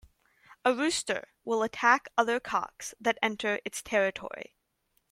A rooster will attack other cocks that enter its territory.